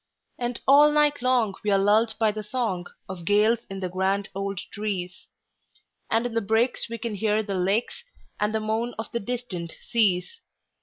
And all night long we are lulled by the songOf gales in the grand old trees; And in the breaks we can hear the lakesAnd the moan of the distant seas.